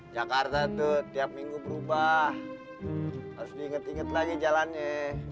jakarta tuh tiap minggu berubah harus diinget inget lagi jalannya